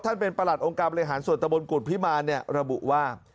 ท่านเป็นประหลัดองค์กรขยะหานส่วนตะบลกุฎภิมารระบุว่า